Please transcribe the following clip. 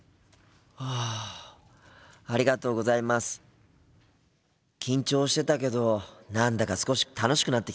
心の声緊張してたけど何だか少し楽しくなってきたぞ。